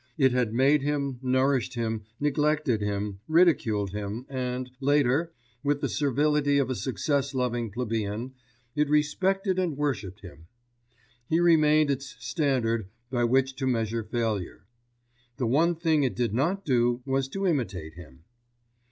It had made him, nourished him, neglected him, ridiculed him, and later, with the servility of a success loving plebeian, it respected and worshipped him. He remained its standard by which to measure failure. The one thing it did not do was to imitate him.